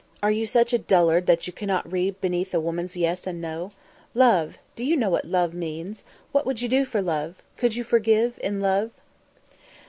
Are you such a dullard that you cannot read beneath a woman's yes and no? Love! Do you know what love means? What would you do for love? Could you forgive in love?"